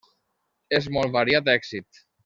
És molt variat èxit.